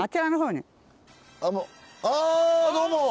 あどうも！